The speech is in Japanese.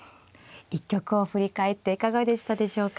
一局を振り返っていかがでしたでしょうか。